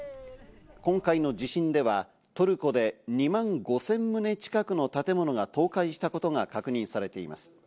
今回の地震ではトルコで２万５０００棟近くの建物が倒壊したことが確認されています。